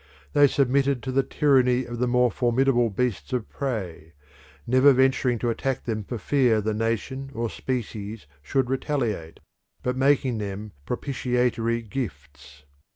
They submitted to the tyranny of the more formidable beasts of prey, never venturing to attack them for fear the nation or species should retaliate, but making them propitiatory gifts.